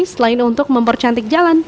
selain untuk mempercantik jalan